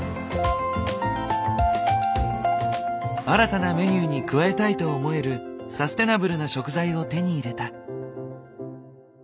新たなメニューに加えたいと思えるサステナブルな食材を手に入れた。